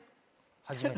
初めて。